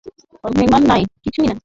অভিমান নাই, কিছুই নাই।